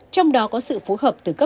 trong đó có sự phối hợp từ các cơ sở